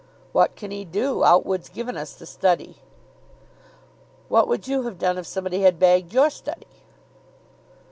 "What can he do? Outwood's given us the study." "What would you have done if somebody had bagged your study?"